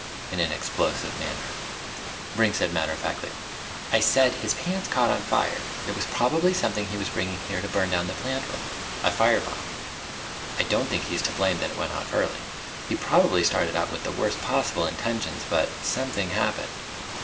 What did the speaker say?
_" in, an explosive manner. Brink said matter of factly: "I said his pants caught on fire. It was probably something he was bringing here to burn the plant down with a fire bomb. I don't think he's to blame that it went off early. He probably started out with the worst possible intentions, but something happened...."